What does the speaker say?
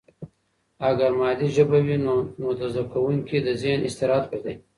اگر مادي ژبه وي، نو د زده کوونکي د ذهن استراحت به دی.